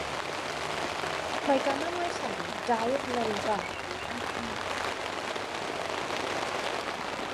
Mae gan y maes awyr dair lolfa.